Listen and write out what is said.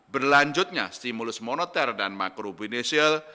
berlanjutnya stimulus moneter dan makro binisial